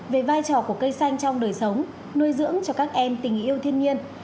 về vai trò của cây xanh trong đời sống nuôi dưỡng cho các em tình yêu thiên nhiên